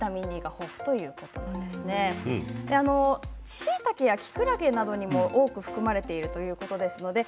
しいたけやきくらげなどにも多く含まれているということです。